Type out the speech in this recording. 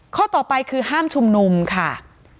ข้อต่อไปคือห้ามชุมนุมค่ะ